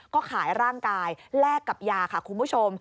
ก็ขายร่างกายแลกกับยาค่ะคุณผู้ชม